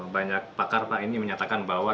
banyak pakar pak ini menyatakan bahwa